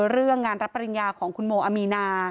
เรื่องงานรับปริญญาของคุณโมอามีนา